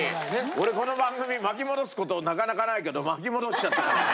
俺この番組巻き戻す事なかなかないけど巻き戻しちゃったからね。